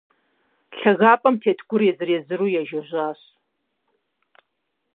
Лъагапӏэм тет гур езыр-езыру ежэжьащ.